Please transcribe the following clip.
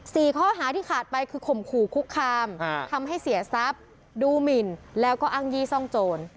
สี่ข้อหาที่ขาดไปคือข่มขู่คุกคามทำให้เสียทรัพย์ดูหมินแล้วก็อ้างยี่ซ่องโจร